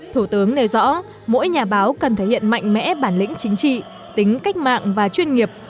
thủ tướng nêu rõ mỗi nhà báo cần thể hiện mạnh mẽ bản lĩnh chính trị tính cách mạng và chuyên nghiệp